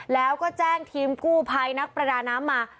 แล้วก็แจ้งทีมกู้ภัยนักประดาน้ำมา